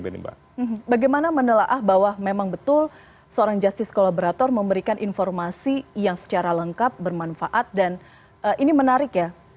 bagaimana menelaah bahwa memang betul seorang justice collaborator memberikan informasi yang secara lengkap bermanfaat dan ini menarik ya